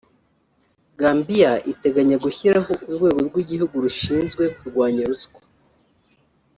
Gambia iteganya gushyiraho urwego rw’igihugu rushinzwe kurwanya ruswa